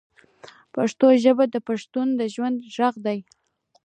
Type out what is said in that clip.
پښتو ژبه د بښتنو د ژوند ږغ دی